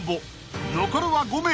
［残るは５名。